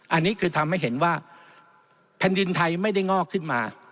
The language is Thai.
อันนี้คือทำให้เห็นว่าแผ่นดินไทยไม่ได้งอกขึ้นมา